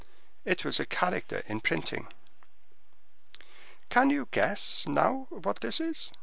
It was a character in printing. "Can you guess, now, what this is?"